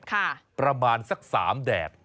ประมาณสัก๓แดด